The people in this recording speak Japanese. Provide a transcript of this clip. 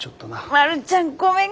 丸ちゃんごめん。